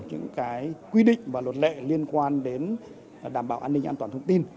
những cái quy định và luật lệ liên quan đến đảm bảo an ninh an toàn thông tin